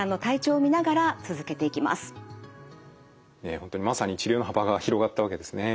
本当にまさに治療の幅が広がったわけですね。